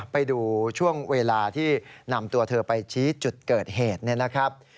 ไปดูช่วงเวลาที่นำตัวเธอไปชี้จุดเกิดเหตุเนี่ยนะครับ